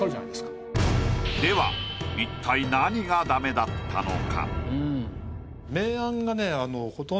では一体何がダメだったのか？